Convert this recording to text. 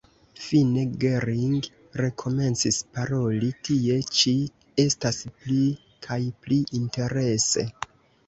Fine Gering rekomencis paroli: « Tie ĉi estas pli kaj pli interese ».